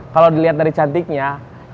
kalau dilihat dari catatan